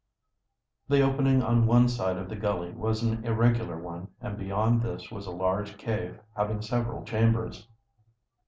The opening on one side of the gully was an irregular one, and beyond this was a large cave having several chambers.